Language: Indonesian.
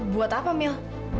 buat apa mil